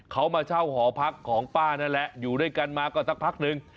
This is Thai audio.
เขามาเช่าหอพักของป้านั่นแหละอยู่ด้วยกันมาก็สักพักนึง